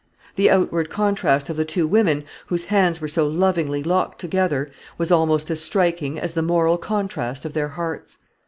The outward contrast of the two women, whose hands were so lovingly locked together, was almost as striking as the moral contrast of their hearts.